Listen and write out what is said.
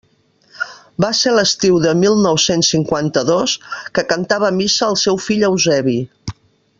Va ser l'estiu de mil nou-cents cinquanta-dos, que cantava missa el seu fill Eusebi.